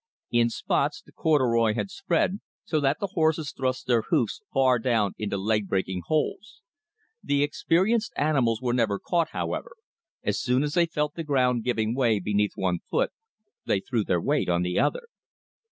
In spots the "corduroy" had spread, so that the horses thrust their hoofs far down into leg breaking holes. The experienced animals were never caught, however. As soon as they felt the ground giving way beneath one foot, they threw their weight on the other.